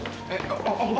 tunggu tunggu tunggu om